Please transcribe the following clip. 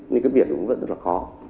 nhưng cái việc vẫn rất là khó